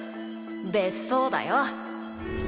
別荘だよ。